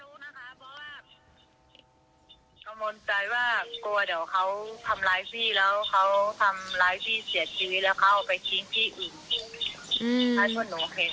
สงครามด้วยความกลัวเดี๋ยวเขาทำร้ายพี่เค้าหลายพี่เสียชีวิตก็ไปชิงพี่อื่น